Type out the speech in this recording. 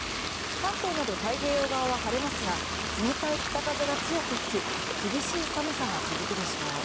関東など太平洋側は晴れますが冷たい北風が強く吹き厳しい寒さが続くでしょう。